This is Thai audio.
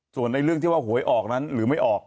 ส่วนเรื่องที่ว่าหวยออกนั้นหรือไม่ออก